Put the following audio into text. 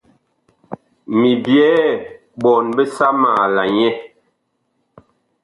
Mi byɛɛ ɓɔɔn bisama la nyɛ.